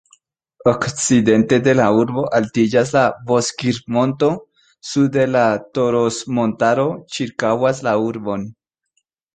Okcidente de la urbo altiĝas la Bozkir-monto, sude la Toros-montaro ĉirkaŭas la urbon.